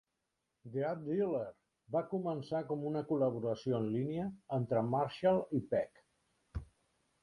Death Dealer va començar com una col·laboració en línia entre Marshall i Peck.